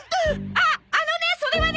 ああのねそれはね